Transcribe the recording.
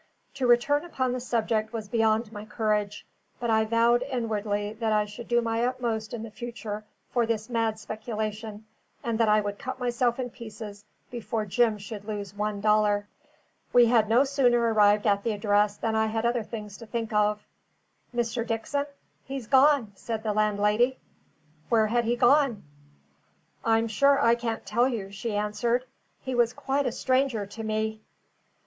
To return upon the subject was beyond my courage; but I vowed inwardly that I should do my utmost in the future for this mad speculation, and that I would cut myself in pieces before Jim should lose one dollar. We had no sooner arrived at the address than I had other things to think of. "Mr. Dickson? He's gone," said the landlady. Where had he gone? "I'm sure I can't tell you," she answered. "He was quite a stranger to me."